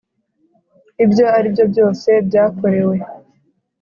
ibyo aribyo byose byakorewe